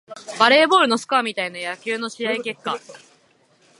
バレーボールのスコアみたいな野球の試合結果